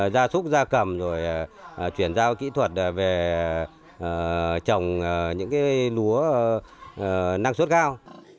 ra súc ra cầm rồi chuyển giao kỹ thuật về trồng những lúa năng suất cao